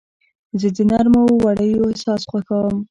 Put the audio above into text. زه د نرمو وړیو احساس خوښوم.